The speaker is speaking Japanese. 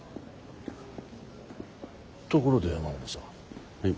ところで山本さん。